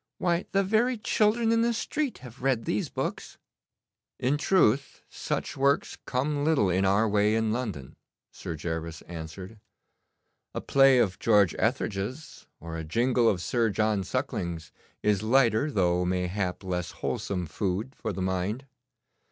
Why, the very children in the street have read these books.' 'In truth, such works come little in our way in London,' Sir Gervas answered. 'A play of George Etherege's, or a jingle of Sir John Suckling's is lighter, though mayhap less wholesome food for the mind.